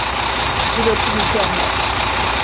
Burası mükemmel.